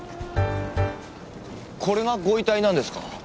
これがご遺体なんですか？